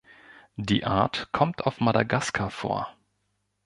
Die Art kommt auf Madagaskar vor.